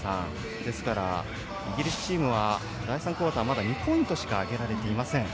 ですから、イギリスチームは第３クオーターまだ２ポイントしか挙げられていません。